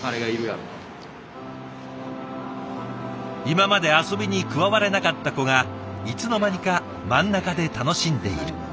今まで遊びに加われなかった子がいつの間にか真ん中で楽しんでいる。